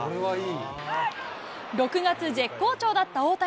６月、絶好調だった大谷。